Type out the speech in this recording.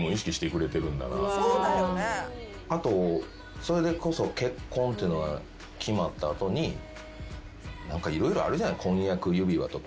あとそれでこそ結婚っていうのが決まった後に色々あるじゃない。